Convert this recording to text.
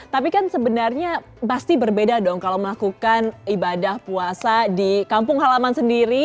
tapi kan sebenarnya pasti berbeda dong kalau melakukan ibadah puasa di kampung halaman sendiri